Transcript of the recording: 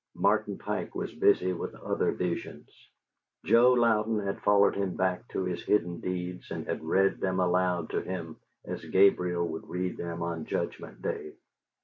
Martin Pike was busy with other visions. Joe Louden had followed him back to his hidden deeds and had read them aloud to him as Gabriel would read them on Judgment day.